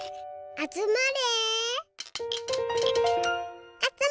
あつまれ。